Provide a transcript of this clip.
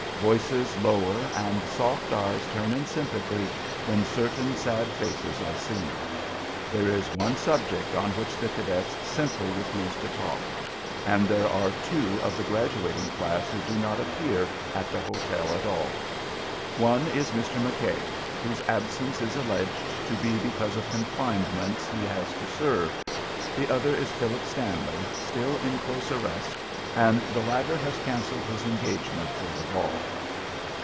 Voices lower and soft eyes turn in sympathy when certain sad faces are seen. There is one subject on which the cadets simply refuse to talk, and there are two of the graduating class who do not appear at the hotel at all. One is Mr. McKay, whose absence is alleged to be because of confinements he has to serve; the other is Philip Stanley, still in close arrest, and the latter has cancelled his engagements for the ball.